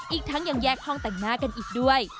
อีกทั้งยังแยกห้องแต่งหน้ากันอีกด้วย